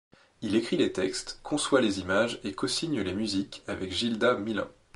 Il écrit les textes, conçoit les images et cosigne les musiques avec Gildas Milin.